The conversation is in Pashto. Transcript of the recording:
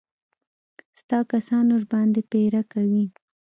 ستا کسان ورباندې پيره کوي.